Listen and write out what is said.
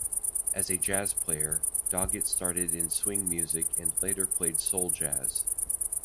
As a jazz player Doggett started in swing music and later played soul jazz.